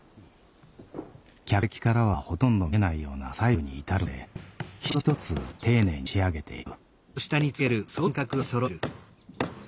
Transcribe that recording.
客席からはほとんど見えないような細部に至るまで一つ一つ丁寧に仕上げていく。